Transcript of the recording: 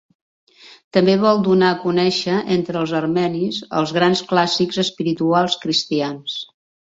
També vol donar a conèixer entre els armenis els grans clàssics espirituals cristians.